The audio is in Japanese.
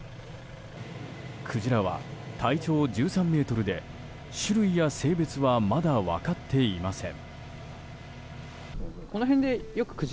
クジラは体長１３ｍで種類や性別はまだ分かっていません。